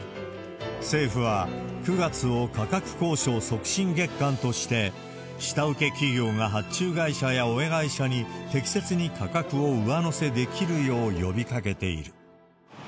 政府は、９月を価格交渉促進月間として、下請け企業が発注会社や親会社に適切に価格を上乗せできるよう、呼びかけている。